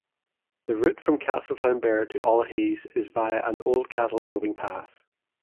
The route from Castletownbere to Allihies is via an old cattle droving path.